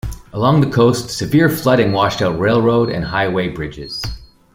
Along the coast, severe flooding washed out railroad and highway bridges.